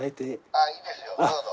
・あいいですよどうぞ。